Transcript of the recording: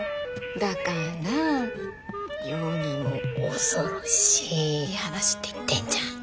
だから世にも恐ろしい話って言ってんじゃん。